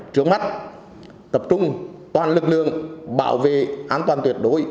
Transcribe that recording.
trước mắt tập trung toàn lực lượng bảo vệ an toàn tuyệt đối